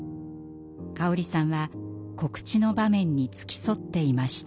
香織さんは告知の場面に付き添っていました。